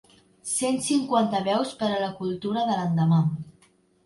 Cent cinquanta veus per a la cultura de l'endemà.